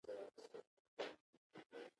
بیرته یې لاس ټول کړ.